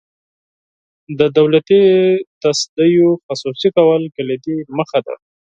د دولتي تصدیو خصوصي کول کلیدي موخه ده.